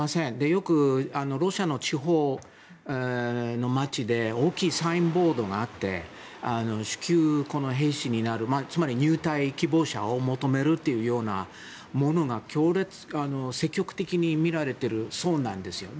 よく、ロシアの地方の街で大きいサインボードがあって至急、兵士になるつまり、入隊希望者を求めるというようなものが積極的に見られているそうなんですよ。